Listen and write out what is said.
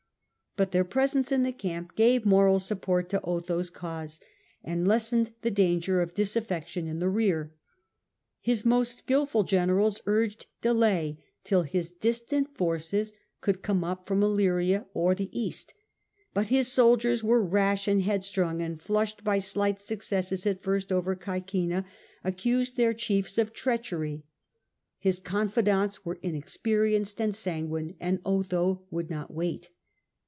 But their presence in the camp gave moral support to Otho's cause, and lessened the danger of disaffection in the rear. His most skilful generals urged delay till his distant forces could come up His generals from Illyria or the East ; but his soldiers were {Juf'he wouW rash and headstrong and, flushed by slight not waiu successes at first over Caecina, accused their chiefs of treachery. His confidants were inexperienced and san guine, and Otho would not wait.